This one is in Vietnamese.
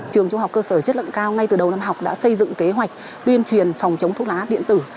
trường trung học cơ sở chất lượng cao ngay từ đầu năm học đã xây dựng kế hoạch tuyên truyền phòng chống thuốc lá điện tử